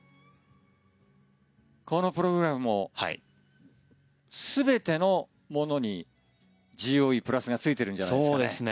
このプログラムも全てのものにＧＯＥプラスがついてるんじゃないですかね。